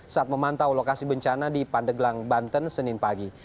saat memantau lokasi bencana di pandeglang banten senin pagi